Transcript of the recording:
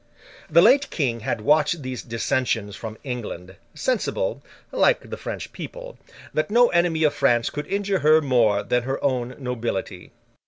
The late King had watched these dissensions from England, sensible (like the French people) that no enemy of France could injure her more than her own nobility.